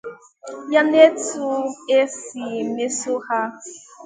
ya na etu e si emeso ha